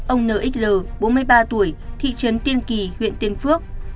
ông nxl bốn mươi ba tuổi thị trấn tiên kỳ huyện tiên phước